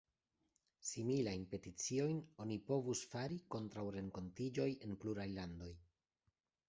Similajn peticiojn oni povus fari kontraŭ renkontiĝoj en pluraj landoj.